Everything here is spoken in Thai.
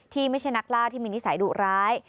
ที่ไม่ใช่นักล่าที่มีนิสัยดุร้าย